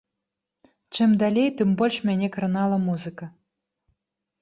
Чым далей, тым больш мяне кранала музыка.